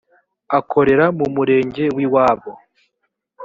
akorera mu murenge w’iwabo